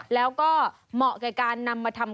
แล้วก็เหมาะกับการนำมาทำ